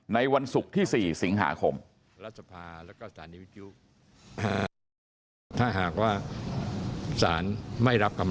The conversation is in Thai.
ในวันศุกร์ที่๔สิงหาคม